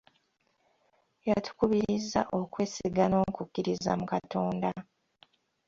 Yatukubirizza okwesiga n'okukkiririza mu Katonda.